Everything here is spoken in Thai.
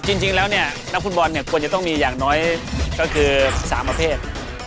จริงแล้วเนี่ยนักฟุตบอลเนี่ยควรจะต้องมีอย่างน้อยก็คือ๓ประเภท